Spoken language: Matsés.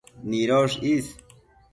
nidosh is